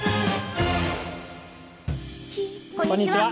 こんにちは。